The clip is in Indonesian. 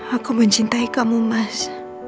aku mencintai kamu mas